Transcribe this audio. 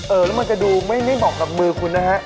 แล้วมันจะดูไม่เหมาะกับมือคุณนะฮะ